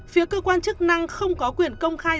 phía cơ quan chức năng không có quyền công khai